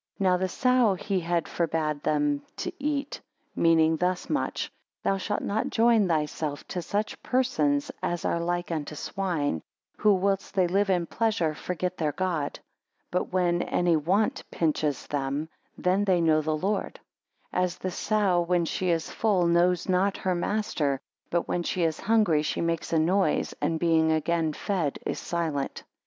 3 Now the sow he forbad them to eat; meaning thus much: Thou shalt not join thyself to such persons as are like unto swine, who, whilst they live in pleasure, forget their God; but when any want pinches them, then they know the Lord: as the sow when she is full knows not her master, but when she is hungry she makes a noise; and being again fed, is silent.